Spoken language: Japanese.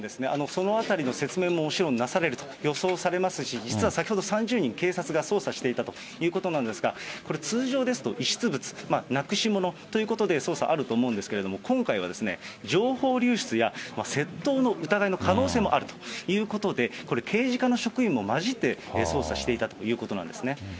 そのあたりの説明ももちろんなされると予想されますし、実は先ほど３０人、警察が捜査していたということなんですが、これ、通常ですと遺失物、なくし物ということで捜査あると思うんですけれども、今回は情報流出や窃盗の疑いの可能性もあるということで、これ刑事課の職員も交じって捜査していたということなんですね。